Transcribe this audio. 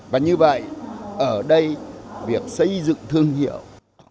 và như vậy ở đây việc xây dựng thương hiệu